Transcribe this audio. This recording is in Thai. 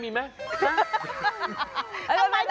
มีมั้ย